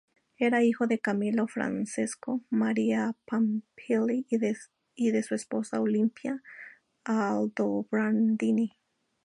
Era hijo de Camillo Francesco Maria Pamphili y de su esposa Olimpia Aldobrandini.